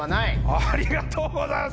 ありがとうございます